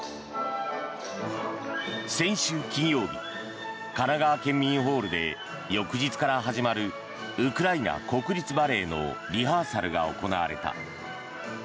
先週金曜日、神奈川県民ホールで翌日から始まるウクライナ国立バレエのリハーサルが行われた。